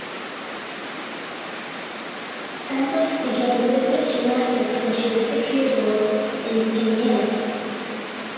Santos began rhythmic gymnastics when she was six years old in Pinheiros.